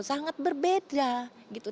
sangat berbeda gitu